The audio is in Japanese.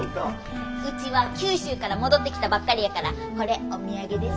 ウチは九州から戻ってきたばっかりやからこれお土産です。